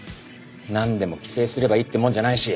なんでも規制すればいいってもんじゃないし